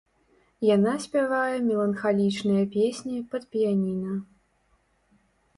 Яна спявае меланхалічныя песні пад піяніна.